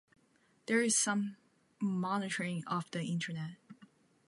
There is some monitoring of the Internet.